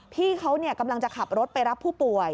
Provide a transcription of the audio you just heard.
พี่เขากำลังจะขับรถไปรับผู้ป่วย